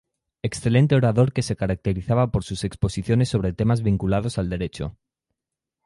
Excelente orador que se caracterizaba por sus exposiciones sobre temas vinculados al Derecho.